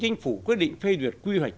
chính phủ quyết định phê duyệt quy hoạch